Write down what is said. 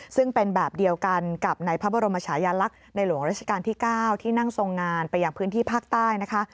ซึ่งเป็นแบบเดียวกันกับในพระบรมชายาลักษณ์ในหลวงราชการที่๙ที่นั่งทรงงานไปยังพื้นที่ภาคใต้นะคะ